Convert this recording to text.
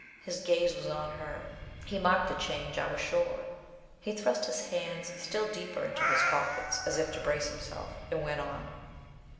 His gaze was on her. He marked the change, I was sure. He thrust his hands still deeper into his pockets, as if to brace himself, and went on.